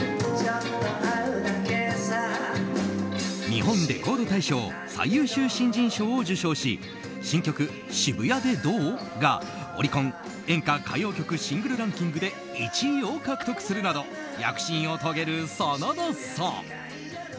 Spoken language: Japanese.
日本レコード大賞最優秀新人賞を受賞し新曲「渋谷でどう？」がオリコン演歌・歌謡曲シングルランキングで１位を獲得するなど躍進を遂げる真田さん。